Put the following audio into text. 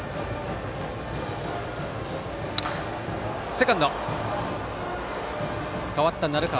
セカンド、変わった、鳴川。